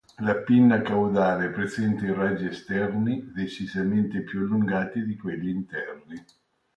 La pinna caudale presenta i raggi esterni decisamente più allungati di quelli interni.